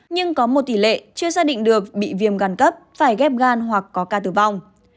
nhưng có một tỷ lệ chưa xác định được bị viêm gan cấp phải ghép gan hoặc có ca tử vong